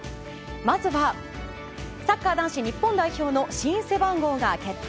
まずは、サッカー男子日本代表の新背番号が決定。